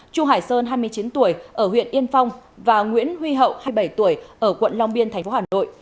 chu hải sơn hai mươi chín tuổi ở huyện yên phong và nguyễn huy hậu hai mươi bảy tuổi ở quận long biên tp hà nội